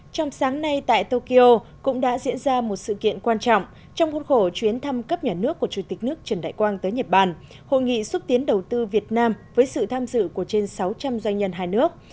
trong sáng nay tại tokyo cũng đã diễn ra một sự kiện quan trọng trong khuôn khổ chuyến thăm cấp nhà nước của chủ tịch nước trần đại quang tới nhật bản hội nghị xúc tiến đầu tư việt nam với sự tham dự của trên sáu trăm linh doanh nhân hai nước